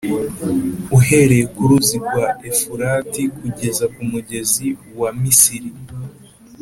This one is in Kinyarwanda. uhereye ku ruzi rwa Efurati kugeza ku mugezi wa Misiri.